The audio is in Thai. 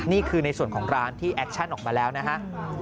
นี่คือในส่วนของร้านที่แอคชั่นออกมาแล้วนะฮะ